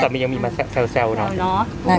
แล้วสามียังมีมาแซวเนาะ